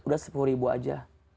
udah sepuluh ribu aja